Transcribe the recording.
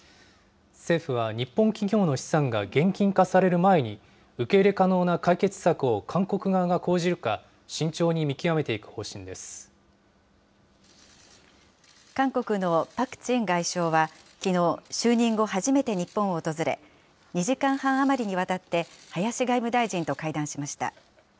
政府は、日本企業の資産が現金化される前に、受け入れ可能な解決策を韓国側が講じるか、慎重韓国のパク・チン外相はきのう、就任後初めて日本を訪れ、２時間半余りにわたって林外務大臣と会談しました。